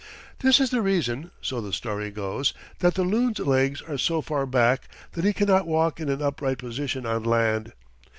This is the reason, so the story goes, that the loon's legs are so far back that he cannot walk in an upright position on land.